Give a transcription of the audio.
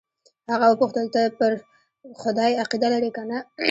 هغه وپوښتل ته پر خدای عقیده لرې که نه.